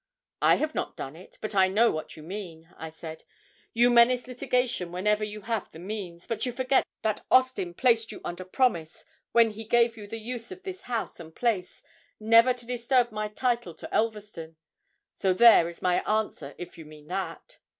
'"I have not done it; but I know what you mean," I said. "You menace litigation whenever you have the means; but you forget that Austin placed you under promise, when he gave you the use of this house and place, never to disturb my title to Elverston. So there is my answer, if you mean that."